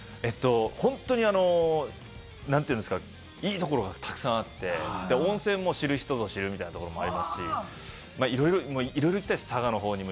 本当にいいところがたくさんあって温泉も知る人ぞ知るみたいなところもありますし、いろいろ行きたいですね。